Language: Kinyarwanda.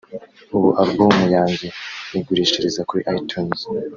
ubu album yanjye nyigurishiriza kuri itunes